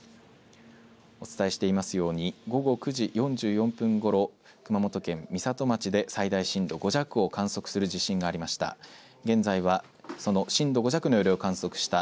お伝えしていますように午後９時４４分ごろ、熊本県美里町で最大震度５弱を観測する地震がありました。